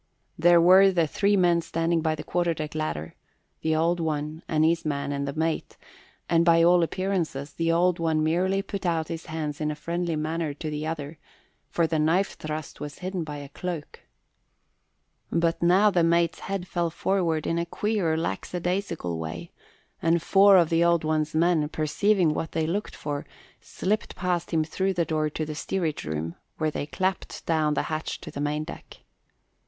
There were the three men standing by the quarter deck ladder the Old One and his man and the mate and by all appearances the Old One merely put out his hands in a friendly manner to the other, for the knife thrust was hidden by a cloak. But now the mate's head fell forward in a queer, lackadaisical way and four of the Old One's men, perceiving what they looked for, slipped past him through the door to the steerage room, where they clapped down the hatch to the main deck.